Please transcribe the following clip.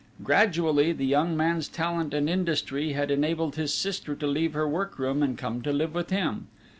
Gradually the young man's talent and industry had enabled his sister to leave her workroom and come to live with him.